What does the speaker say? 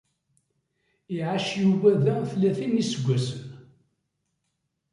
Iɛac Yuba da tlatin n iseggasen.